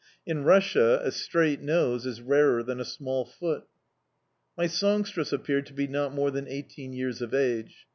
In Russia a straight nose is rarer than a small foot. My songstress appeared to be not more than eighteen years of age.